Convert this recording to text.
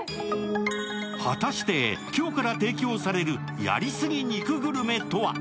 果たして今日から提供されるやり過ぎ肉グルメとは？